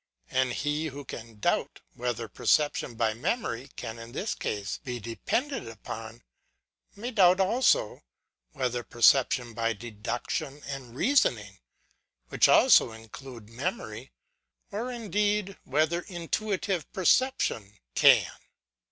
And he who can doubt, whether perception by memory can in this case be de pended upon, may doubt also, whether perception by deduction and reasoning, which also include memory, or indeed whether intuitive perception, can.